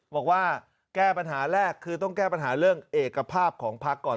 บอกว่าแก้ปัญหาแรกคือต้องแก้ปัญหาเรื่องเอกภาพของพักก่อน